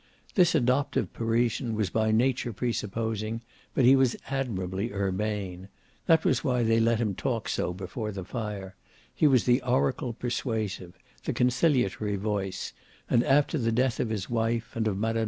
This adoptive Parisian was by nature presupposing, but he was admirably urbane that was why they let him talk so before the fire; he was the oracle persuasive, the conciliatory voice and after the death of his wife and of Mme.